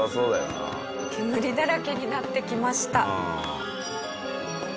煙だらけになってきました。